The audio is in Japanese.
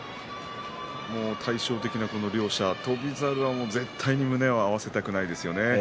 対照的な両者翔猿はもう絶対に胸を合わせたくないですよね